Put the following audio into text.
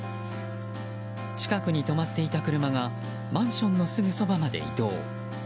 近くに止まっていた車がマンションのすぐそばまで移動。